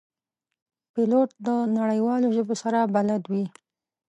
پیلوټ د نړیوالو ژبو سره بلد وي.